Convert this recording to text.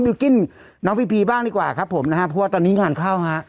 วิวกิ้นน้องพีพีบ้างดีกว่าครับผมนะฮะเพราะว่าตอนนี้งานเข้าฮะ